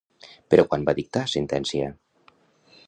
Però quan va dictar sentència?